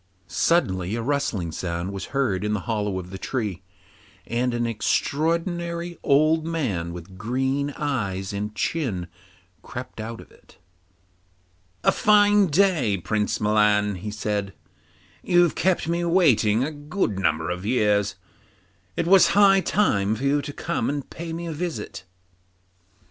Suddenly a rustling sound was heard in the hollow of the tree, and an extraordinary old man with green eyes and chin crept out of it. 'A fine day, Prince Milan,' he said; 'you've kept me waiting a good number of years; it was high time for you to come and pay me a visit.